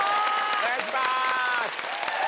お願いします！